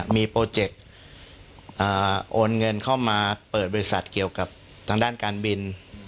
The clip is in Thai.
มีโปรเจคโอนเงินเข้ามาเปิดบริษัทเกี่ยวกับทางด้านการบิน